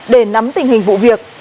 để nắm tình hình vụ việc